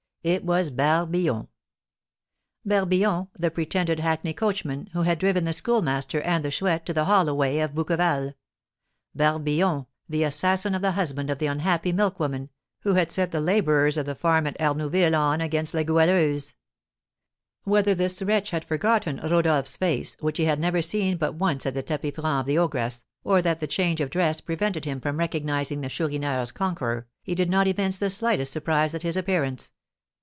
It was Barbillon. Barbillon, the pretended hackney coachman, who had driven the Schoolmaster and the Chouette to the hollow way of Bouqueval, Barbillon, the assassin of the husband of the unhappy milkwoman, who had set the labourers of the farm at Arnouville on against La Goualeuse. Whether this wretch had forgotten Rodolph's face, which he had never seen but once at the tapis franc of the ogress, or that the change of dress prevented him from recognising the Chourineur's conqueror, he did not evince the slightest surprise at his appearance.